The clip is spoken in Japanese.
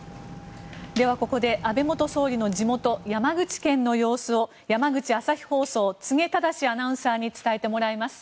では、ここで安倍元総理の地元山口県の様子を山口朝日放送柘植忠司アナウンサーに伝えてもらいます。